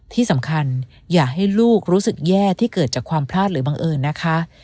ที่สำคัญอย่าให้ลูกรู้สึกแย่ที่เกิดจากความพลาดหรือบังเอิญนะคะ